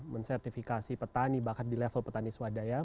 mensertifikasi petani bahkan di level petani swadaya